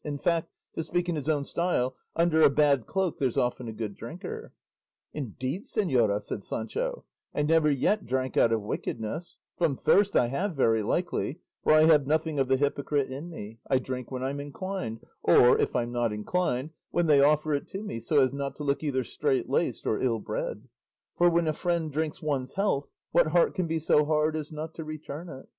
In fact, to speak in his own style, 'under a bad cloak there's often a good drinker.'" "Indeed, señora," said Sancho, "I never yet drank out of wickedness; from thirst I have very likely, for I have nothing of the hypocrite in me; I drink when I'm inclined, or, if I'm not inclined, when they offer it to me, so as not to look either strait laced or ill bred; for when a friend drinks one's health what heart can be so hard as not to return it?